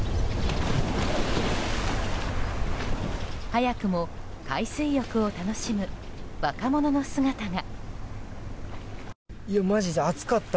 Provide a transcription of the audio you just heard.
早くも海水浴を楽しむ若者の姿が。